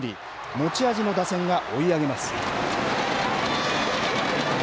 持ち味の打線が追い上げます。